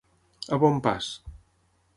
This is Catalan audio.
A bon pas.